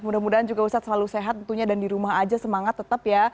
mudah mudahan juga ustadz selalu sehat tentunya dan di rumah aja semangat tetap ya